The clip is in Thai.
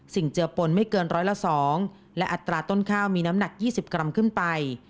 เจอปนไม่เกินร้อยละ๒และอัตราต้นข้าวมีน้ำหนัก๒๐กรัมขึ้นไป